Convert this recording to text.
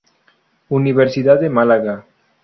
Universidad de Málaga.